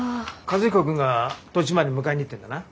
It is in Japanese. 和彦君が途中まで迎えに行ってんだな。